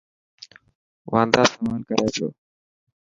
واندا سوال ڪري پيو.